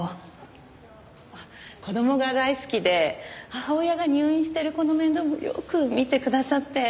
子供が大好きで母親が入院してる子の面倒もよく見てくださって。